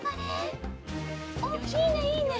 おっいいねいいね！